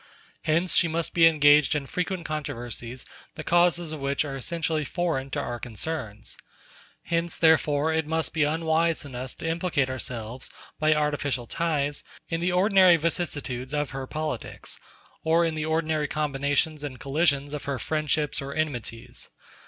Hence, she must be engaged in frequent controversies, the causes of which are essentially foreign to our concerns. Hence, therefore, it must be unwise in us to implicate ourselves, by artificial ties, in the ordinary vicissitudes of her politics, or the ordinary combinations and collisions of her friendships or enmities.